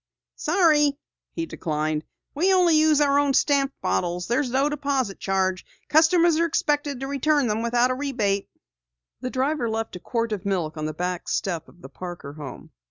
"Sorry," he declined. "We use only our own stamped bottles. There's no deposit charge. Customers are expected to return them without rebate." The driver left a quart of milk on the back doorstep of the Parker home.